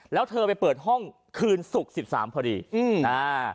แล้วเธอไปเปิดห้องคืนศุกร์สิบสามพอดีอืมอ่า